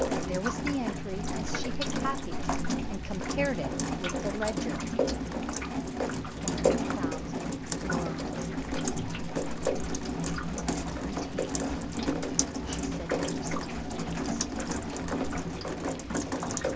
There was the entry as she had copied it, and compared it with the ledger "20,000 florins." "Madame Fontaine!" she said to herself in a whisper.